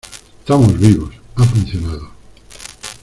estamos vivos. ha funcionado .